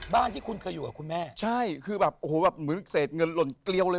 บ้านที่คุณเคยอยู่กับคุณแม่ใช่คือแบบโอ้โหแบบเหมือนเศษเงินหล่นเกลียวเลย